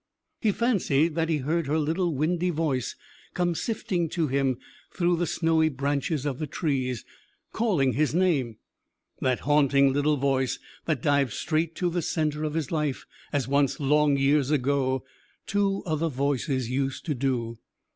He fancied that he heard her little windy voice come sifting to him through the snowy branches of the trees, calling his name ... that haunting little voice that dived straight to the centre of his life as once, long years ago, two other voices used to do....